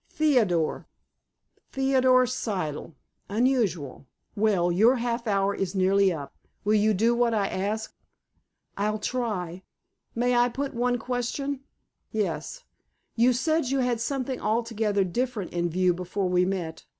"Theodore." "Theodore Siddle. Unusual. Well, your half hour is nearly up. Will you do what I ask?" "I'll try. May I put one question?" "Yes." "You said you had something altogether different in view before we met.